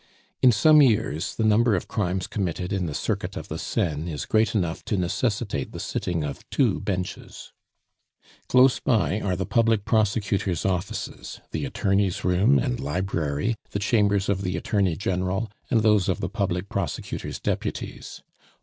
In some years the number of crimes committed in the circuit of the Seine is great enough to necessitate the sitting of two Benches. Close by are the public prosecutor's offices, the attorney's room and library, the chambers of the attorney general, and those of the public prosecutor's deputies.